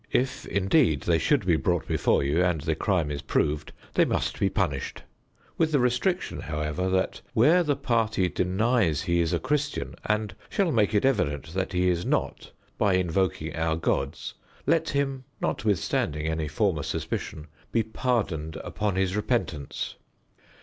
If indeed they should be brought before you, and the crime is proved, they must be punished; with the restriction, however, that where the party denies he is a Christian, and shall make it evident that he is not, by invoking our gods, let him (notwithstanding any former suspicion) be pardoned upon his repentance.